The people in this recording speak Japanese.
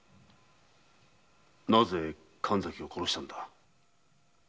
なぜ神崎を殺したんだ？